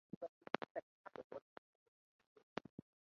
两个导火索事件决定了联盟的形成。